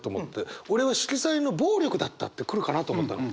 俺は「色彩の暴力だった」って来るかなと思ったの。